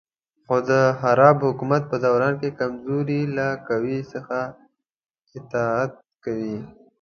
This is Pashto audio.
خو د خراب حکومت په دوران کې کمزوري له قوي څخه اطاعت کوي.